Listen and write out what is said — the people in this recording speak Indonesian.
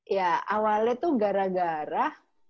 ya awalnya tuh gara gara